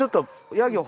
ヤギ